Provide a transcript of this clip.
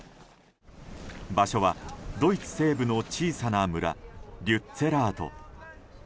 場所はドイツ西部の小さな村リュッツェラート。